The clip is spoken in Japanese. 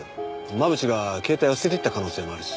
真渕が携帯を捨てていった可能性もあるし。